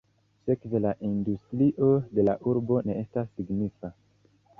Sekve la industrio de la urbo ne estas signifa.